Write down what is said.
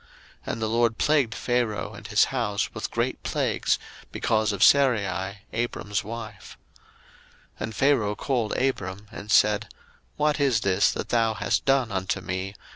01:012:017 And the LORD plagued Pharaoh and his house with great plagues because of Sarai Abram's wife. 01:012:018 And Pharaoh called Abram and said, What is this that thou hast done unto me?